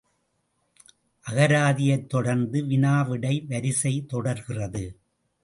அகராதியைத் தொடர்ந்து வினா விடை வரிசை தொடர்கிறது.